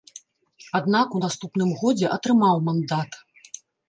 Аднак у наступным годзе атрымаў мандат.